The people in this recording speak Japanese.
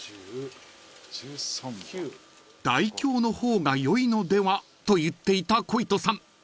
［大凶の方がよいのではと言っていた鯉斗さん］